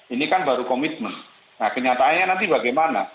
ini kan baru komitmen nah kenyataannya nanti bagaimana